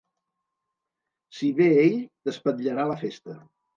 Si ve ell, t'espatllarà la festa.